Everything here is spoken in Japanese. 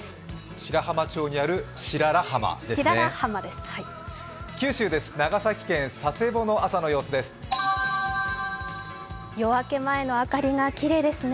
白浜町にある白良浜ですね。